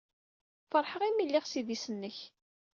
Feṛḥeɣ imi ay lliɣ s idis-nnek.